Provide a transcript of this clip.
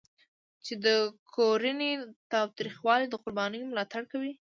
چې د کورني تاوتریخوالي د قربانیانو ملاتړ کوي.